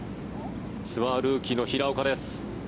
ツアールーキーの平岡です。